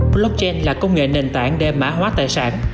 blockchain là công nghệ nền tảng để mã hóa tài sản